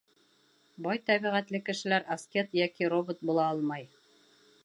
Бай тәбиғәтле кешеләр аскет йәки робот була алмай.